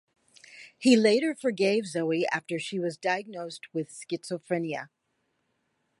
He later forgave Zoe after she was diagonised with Schizophrenia.